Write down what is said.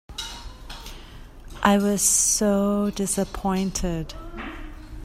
I was so dissapointed.